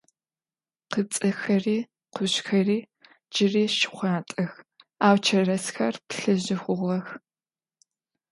Къыпцӏэхэри къужъхэри джыри шхъуантӏэх, ау чэрэзхэр плъыжьы хъугъэх.